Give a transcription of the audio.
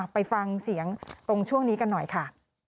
ไปฟังเสียงตรงช่วงนี้กันหน่อยค่ะ